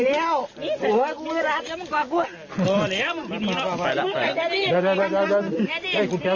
เธอจะถูกเป็นแขวนด้านนี้ครับ